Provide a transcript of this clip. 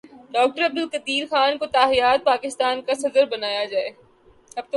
doctor Abdul Qadeer Khan کو تا حیات پاکستان کا صدر بنایا جائے